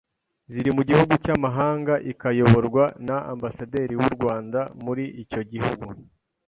ziri mu gihugu cy’amahanga ikayoborwa na ambasaderi w’u Rwanda muri icyo gihugu